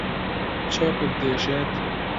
چۆکت دێشێت؟